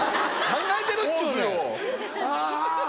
考えてるっちゅうねん。